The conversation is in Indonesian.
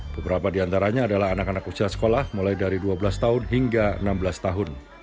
beberapa di antaranya adalah anak anak usia sekolah mulai dari dua belas tahun hingga enam belas tahun